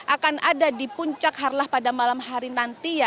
akan ada di puncak harlah pada malam hari nanti ya